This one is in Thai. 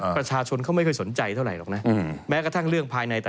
โปรดติดตามตอนต่อไป